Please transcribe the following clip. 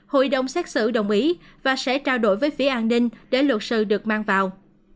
hội đồng xét xử đồng ý và sẽ trao đổi với phía an ninh để luật sự được mang vào